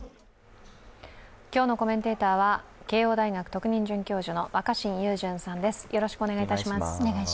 今日のコメンテーターは慶応大学特任准教授の若新雄純さんです。